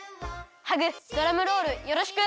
ハグドラムロールよろしく！